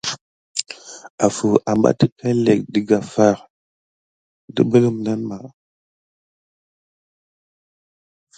Afu abatik yelinke daka far ki apat aoura.